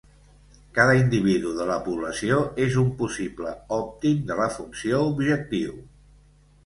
Cada individu de la població és un possible òptim de la funció objectiu.